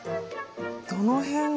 どの辺が？